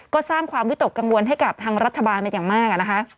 ก็สร้างความวิตกกังวลให้กับทางรัฐบาลมาก